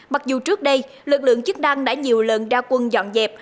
mặc dù trước đây lực lượng chức năng đã nhiều lần ra quân dọn dẹp